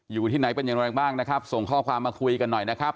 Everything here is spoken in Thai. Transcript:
อยู่ที่ไหนเป็นอย่างไรบ้างนะครับส่งข้อความมาคุยกันหน่อยนะครับ